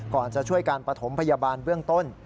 ก่อนจะช่วยการปฐมพยาบาลเบื้องต้น